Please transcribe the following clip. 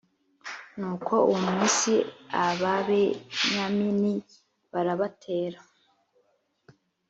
ni uko uwo munsi ababenyamini barabatera